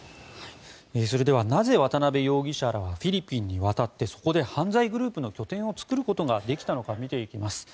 それではなぜ渡邉容疑者らはフィリピンに渡ってそこで犯罪グループの拠点を作ることができたのか見ていきます。